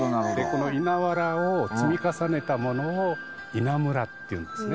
この稲わらを積み重ねたものを稲むらっていうんですね。